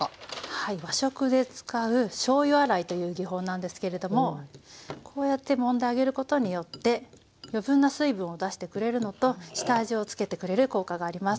はい和食で使うしょうゆ洗いという技法なんですけれどもこうやってもんであげることによって余分な水分を出してくれるのと下味を付けてくれる効果があります。